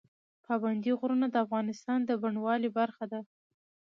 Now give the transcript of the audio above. پابندی غرونه د افغانستان د بڼوالۍ برخه ده.